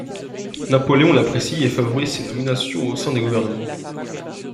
Napoléon l'apprécie et favorise ses nominations au sein des gouvernements.